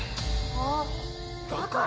あっだから！